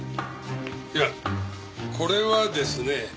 いやこれはですね